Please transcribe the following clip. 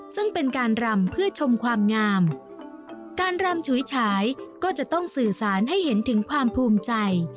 ซึ่งเป็นการรำเพื่อชมความงามการรำฉุยฉายก็จะต้องสื่อสารให้เห็นถึงความภูมิใจ